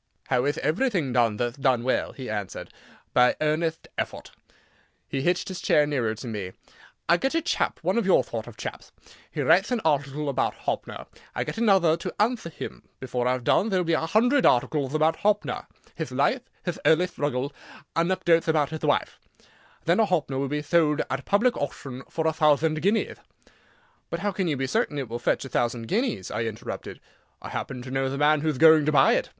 "How ith everything done that'th done well?" he answered. "By earnetht effort." He hitched his chair nearer to me, "I get a chap—one of your thort of chapth—he writ'th an article about Hoppner. I get another to anthwer him. Before I've done there'll be a hundred articleth about Hoppner—hith life, hith early thruggie, anecdo'th about hith wife. Then a Hoppner will be thold at public auchtion for a thouthand guineath." "But how can you be certain it will fetch a thousand guineas?" I interrupted. "I happen to know the man whoth going to buy it."